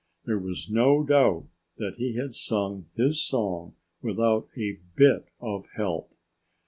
There was no doubt that he had sung his song without a bit of help.